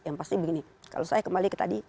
yang pasti begini kalau saya kembali ke tadi